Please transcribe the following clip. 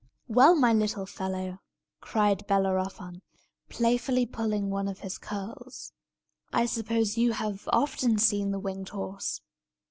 "Well, my little fellow," cried Bellerophon, playfully pulling one of his curls, "I suppose you have often seen the winged horse."